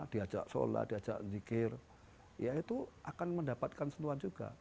diajak sholat diajak zikir ya itu akan mendapatkan sentuhan juga